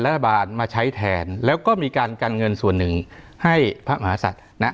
รัฐบาลมาใช้แทนแล้วก็มีการกันเงินส่วนหนึ่งให้พระมหาศัตริย์นะ